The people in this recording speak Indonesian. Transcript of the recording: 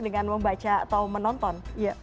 dengan membaca atau menonton